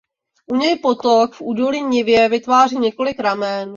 U něj potok v údolní nivě vytváří několik ramen.